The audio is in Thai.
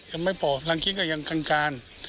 ยังไม่พอลังคิดกันยังกันกัน